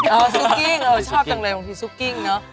เอาซุกกิ้งเออชอบจังเลยบางทีซุกกิ้งเนอะ